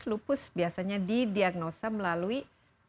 lupus biasanya didiagnosa melalui tes darah